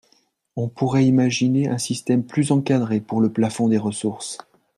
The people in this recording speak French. On pourrait imaginer un système plus encadré pour le plafond des ressources.